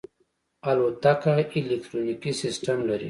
الوتکه الکترونیکي سیستم لري.